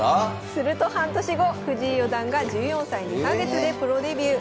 すると半年後藤井四段が１４歳２か月でプロデビュー。